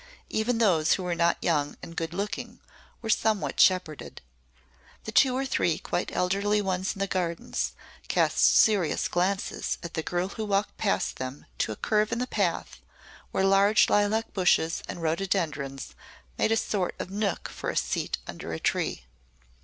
Even those who were not young and good looking were somewhat shepherded. The two or three quite elderly ones in the Gardens cast serious glances at the girl who walked past them to a curve in the path where large lilac bushes and rhododendrons made a sort of nook for a seat under a tree.